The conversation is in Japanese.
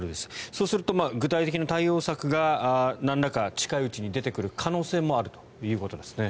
そうすると、具体的な対応策がなんらか近いうちに出てくる可能性もあるということですね。